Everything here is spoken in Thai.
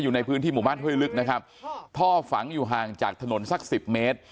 ในพื้นที่หมู่บ้านห้วยลึกนะครับท่อฝังอยู่ห่างจากถนนสักสิบเมตร